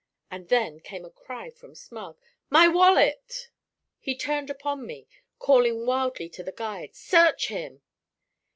And then came a cry from Smug. 'My wallet!' He turned upon me, calling wildly to the guards, 'Search him!'